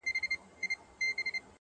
چي بیا به څو درجې ستا پر خوا کږيږي ژوند،